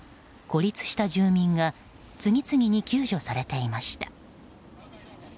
孤立した住民が次々に救助されていました。